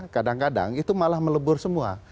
kadang kadang itu malah melebur semua